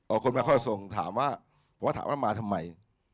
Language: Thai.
เอาคนมาเข้าทรงถามว่าบอกว่าถามว่ามาทำไม